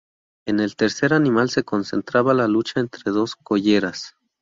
En el tercer animal se concretaba la lucha entre dos colleras.